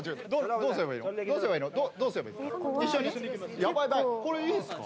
どうすればいいですか？